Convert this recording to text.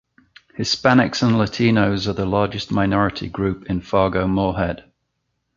Hispanics and Latinos are the largest minority group in Fargo-Moorhead.